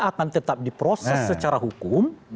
akan tetap diproses secara hukum